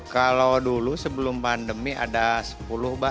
kalau dulu sebelum pandemi ada sepuluh mbak